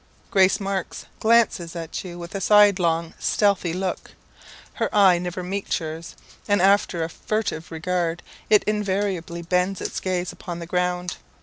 Grace Marks glances at you with a sidelong stealthy look; her eye never meets yours, and after a furtive regard, it invariably bends its gaze upon the ground.